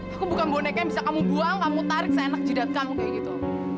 aku bukan boneka yang bisa kamu buang kamu tarik seenak jidat kamu kayak gitu